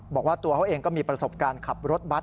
บอกว่าตัวเขาเองก็มีประสบการณ์ขับรถบัตร